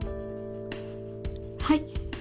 はい！